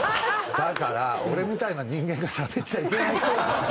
だから俺みたいな人間がしゃべっちゃいけない人なの。